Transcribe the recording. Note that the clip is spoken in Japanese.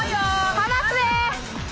・離すで！